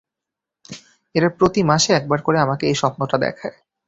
এরা প্রতি মাসে একবার করে আমাকে এই স্বপ্নটা দেখায়।